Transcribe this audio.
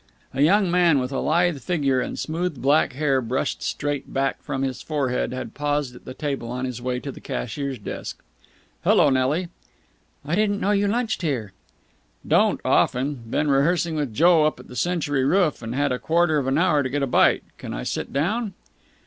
A young man with a lithe figure and smooth black hair brushed straight back from his forehead had paused at the table on his way to the cashier's desk. "Hello, Nelly." "I didn't know you lunched here." "Don't often. Been rehearsing with Joe up at the Century Roof, and had a quarter of an hour to get a bite. Can I sit down?"